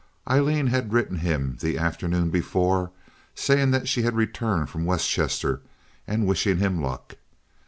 Aileen had written him the afternoon before saying she had returned from West Chester and wishing him luck.